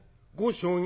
将棋？